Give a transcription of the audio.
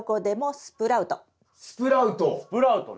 スプラウトね。